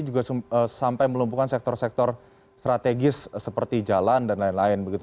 juga sampai melumpuhkan sektor sektor strategis seperti jalan dan lain lain begitu